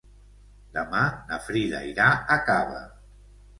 Demà na Frida irà a Cava.